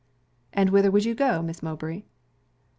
'And whither would you go, Miss Mowbray?'